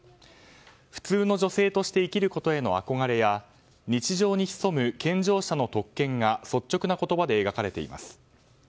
普通の女性として生きることの憧れや日常に潜む健常者の特権が率直な言葉で描かれています。